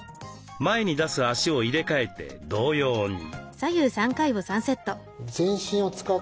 前に出す足を入れ替えて同様に。